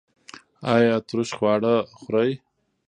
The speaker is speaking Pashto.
ایا ترش خواړه خورئ؟